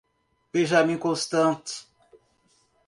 Benjamin Constant